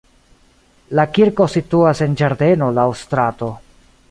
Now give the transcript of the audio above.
La kirko situas en ĝardeno laŭ strato.